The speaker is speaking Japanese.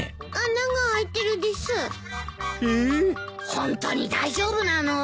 ホントに大丈夫なの？